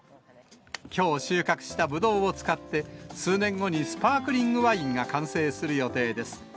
きょう収穫したブドウを使って、数年後にスパークリングワインが完成する予定です。